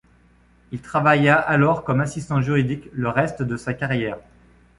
Il travailla alors comme assistant juridique le reste de sa carrière.